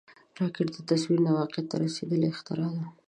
راکټ د تصور نه واقعیت ته رسیدلی اختراع ده